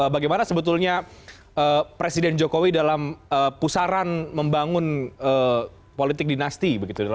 bagaimana sebetulnya presiden jokowi dalam pusaran membangun politik dinasti